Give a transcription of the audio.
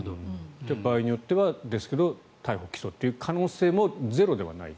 場合によってはですが逮捕・起訴という可能性もゼロではない。